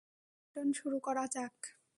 আগে বণ্টন শুরু করা যাক।